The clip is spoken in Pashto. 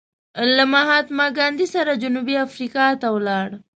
له مهاتما ګاندې سره جنوبي افریقا ته ولاړ.